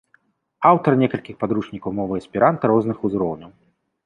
Аўтар некалькіх падручнікаў мовы эсперанта розных узроўняў.